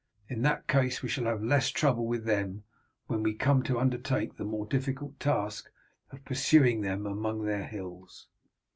In that case we shall have the less trouble with them when we come to undertake the more difficult task of pursuing them among their hills."